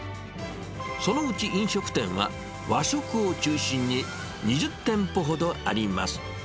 そのうち飲食店は、和食を中心に２０店舗ほどあります。